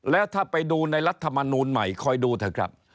แล้วถ้าไปดูในรัฐมนูลใหม่คอยดูเถอะครับ